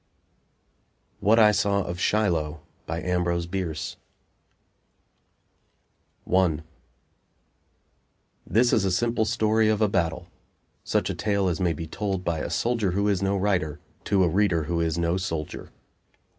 WHAT I SAW OF SHILOH I This is a simple story of a battle; such a tale as may be told by a soldier who is no writer to a reader who is no soldier.